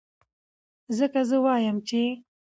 ځکه زۀ وائم چې